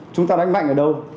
chúng ta đánh mạnh ở đâu